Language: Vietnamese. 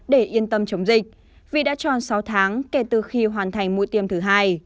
để yên tâm chống dịch vì đã tròn sáu tháng kể từ khi hoàn thành mũi tiêm thứ hai